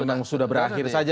memang sudah berakhir saja